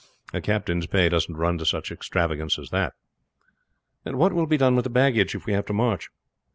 A captain's pay doesn't run to such extravagance as that." "What will be done with the baggage if we have to march?"